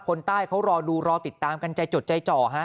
คนใต้เขารอดูรอติดตามกันใจจดใจจ่อฮะ